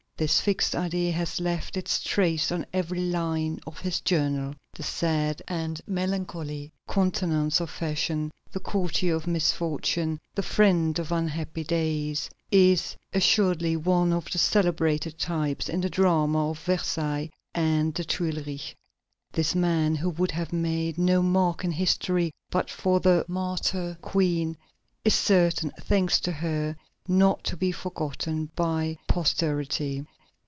This fixed idea has left its trace on every line of his journal. The sad and melancholy countenance of Fersen, the courtier of misfortune, the friend of unhappy days, is assuredly one of the celebrated types in the drama of Versailles and the Tuileries. This man, who would have made no mark in history but for the martyr Queen, is certain, thanks to her, not to be forgotten by posterity.